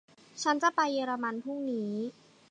ฉันจะไปเยอรมันพรุ่งนี้